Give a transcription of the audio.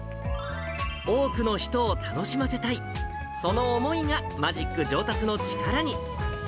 多くの人を楽しませたい、その思いが、マジック上達の力に。